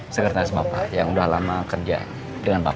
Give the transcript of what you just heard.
saya kata kata sama pak yang udah lama kerja dengan bapak